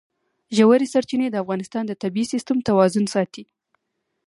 ژورې سرچینې د افغانستان د طبعي سیسټم توازن ساتي.